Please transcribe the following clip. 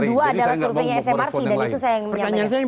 dua adalah surveinya smrc